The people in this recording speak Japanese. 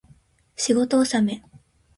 仕事納め